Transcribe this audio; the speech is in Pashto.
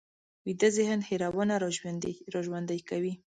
ویده ذهن هېرونه راژوندي کوي